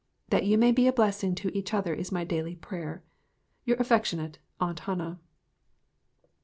That you may be a blessing, to each other is my daily prayer. Your affectionate AUNT HANNAH.